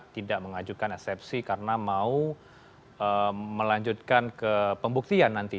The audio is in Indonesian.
tidak mengajukan eksepsi karena mau melanjutkan ke pembuktian nanti